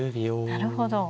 なるほど。